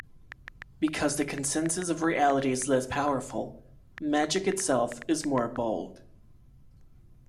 Because the consensus of reality is less powerful, magic itself is more bold.